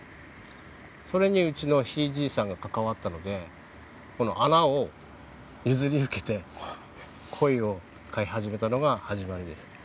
それにうちのひいじいさんが関わったので穴を譲り受けてコイを飼い始めたのが始まりです。